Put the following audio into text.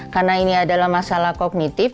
karena ini adalah masalah kognitif